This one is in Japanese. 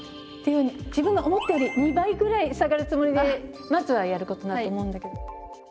いうように自分が思ったより２倍ぐらい下がるつもりでまずはやることだと思うんだけど。